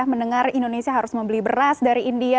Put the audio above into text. mendengar indonesia harus membeli beras dari india